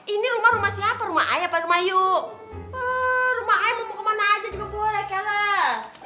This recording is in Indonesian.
ini rumah rumah siapa rumah ayo rumah ayo rumah aja juga boleh keles